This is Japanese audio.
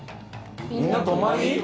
みんな泊まり？